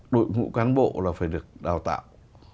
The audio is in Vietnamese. đội ngũ cán bộ là phải được đào tạo